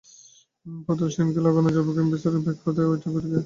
প্রতুল সেনকে লাগানো যাবে ক্যাম্বিসের ব্যাগ হাতে ওই গুটিকা প্রচার করবার কাজে।